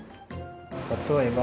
例えば。